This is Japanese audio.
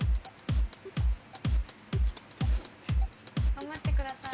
頑張ってください。